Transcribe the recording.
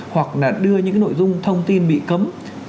hoặc là đưa những nội dung thông tin bị cấm